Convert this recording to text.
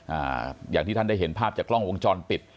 อย่างที่ท่านได้เห็นภาพจากกล้องวงจรปิด